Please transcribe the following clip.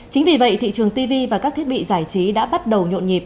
chính vì vậy thị trường tv và các thiết bị giải trí đã bắt đầu nhộn nhịp